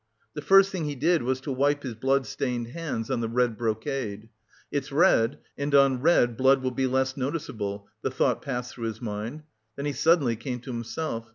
The first thing he did was to wipe his blood stained hands on the red brocade. "It's red, and on red blood will be less noticeable," the thought passed through his mind; then he suddenly came to himself.